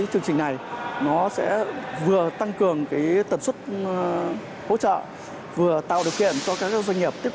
chương trình này nó sẽ vừa tăng cường tần suất hỗ trợ vừa tạo điều kiện cho các doanh nghiệp tiếp